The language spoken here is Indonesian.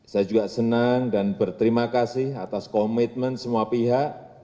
saya juga senang dan berterima kasih atas komitmen semua pihak